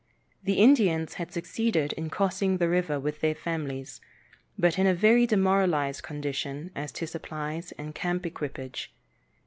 The Indians had succeeded in crossing the river with their families, but in a very demoralized condition as to supplies and camp equipage.